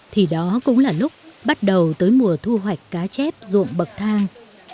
thì đó cũng là lúc bắt đầu tới mùa thu hoạch cá chép ruộng bậc thang